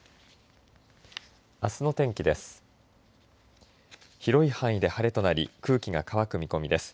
あすの天気です。